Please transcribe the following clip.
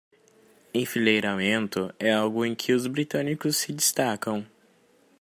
Enfileiramento é algo em que os britânicos se destacam.